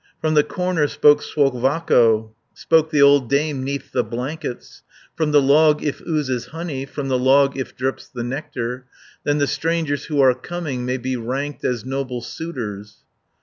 From the corner spoke Suovakko, Spoke the old dame 'neath the blankets: 580 "From the log if oozes honey, From the log if drips the nectar, Then the strangers who are coming, May be ranked as noble suitors."